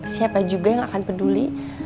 siapa juga yang akan peduli